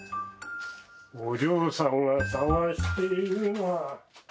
お嬢さんが探しているのは。